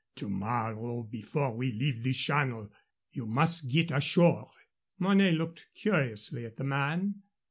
To morrow, before we leave the Channel, you must get ashore." Mornay looked curiously at the man.